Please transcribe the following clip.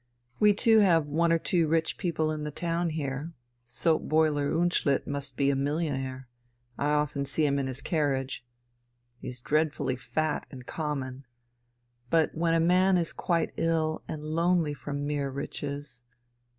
We too have one or two rich people in the town here Soap boiler Unschlitt must be a millionaire.... I often see him in his carriage. He's dreadfully fat and common. But when a man is quite ill and lonely from mere riches